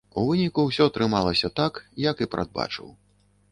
У выніку ўсё атрымалася так, як і прадбачыў.